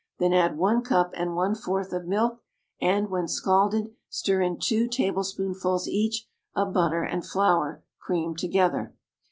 Then add one cup and one fourth of milk, and, when scalded, stir in two tablespoonfuls, each, of butter and flour, creamed together.